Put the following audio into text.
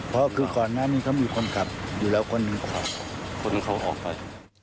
เพราะคือก่อนหน้านี้เขามีคนขับอยู่แล้วคนหนึ่งเขาออกไป